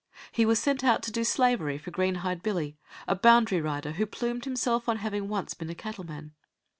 He was sent out to do slavery for Greenhide Billy, a boundary rider who plumed himself on having once been a cattle man.